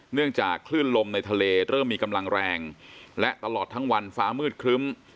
เนื่องจากคลื่นลมในทะเลเริ่มมีกำลังแรงและตลอดทั้งวันฟ้ามืดครึ้ม